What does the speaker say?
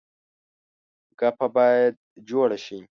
ګپه باید جوړه شي.